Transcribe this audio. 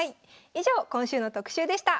以上今週の特集でした。